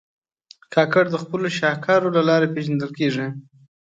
کاکړ د خپلو شهکارو له لارې پېژندل کېږي.